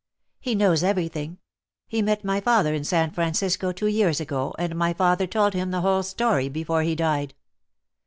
"He knows everything. He met my father in San Francisco two years ago, and my father told him the whole story before he died."